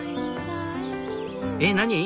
えっ何？